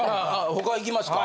他いきますか。